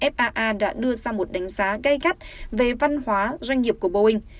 faa đã đưa ra một đánh giá gây gắt về văn hóa doanh nghiệp của boeing